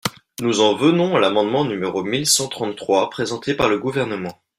Nous en venons à l’amendement numéro mille cent trente-trois présenté par le Gouvernement.